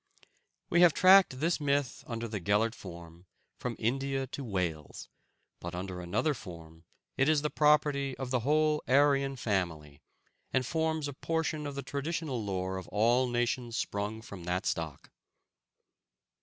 We have tracked this myth under the Gellert form from India to Wales; but under another form it is the property of the whole Aryan family, and forms a portion of the traditional lore of all nations sprung from that stock.